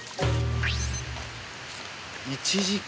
１時間！